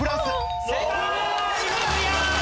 正解！